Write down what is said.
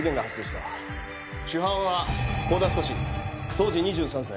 主犯は甲田太当時２３歳。